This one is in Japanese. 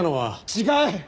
違う！